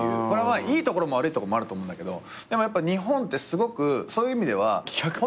これはいいところも悪いところもあると思うんだけど日本ってすごくそういう意味では。